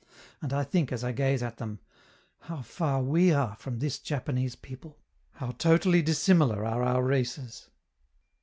And I think as I gaze at them: "How far we are from this Japanese people! how totally dissimilar are our races!"